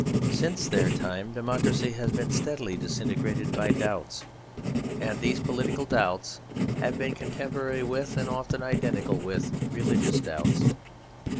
Since their time democracy has been steadily disintegrated by doubts; and these political doubts have been contemporary with and often identical with religious doubts.